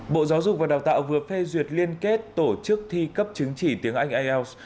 bộ giáo dục và đào tạo vừa phê duyệt liên kết tổ chức thi cấp chứng chỉ tiếng anh ielts